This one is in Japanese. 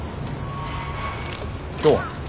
今日は？